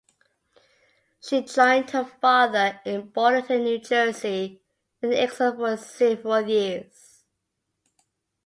She joined her father in Bordentown, New Jersey in exile for several years.